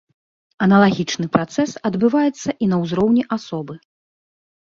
Аналагічны працэс адбываецца і на ўзроўні асобы.